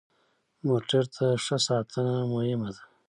موټر ته ښه ساتنه مهمه ده.